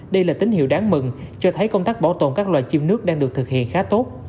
đây là tín hiệu đáng mừng cho thấy công tác bảo tồn các loài chim nước đang được thực hiện khá tốt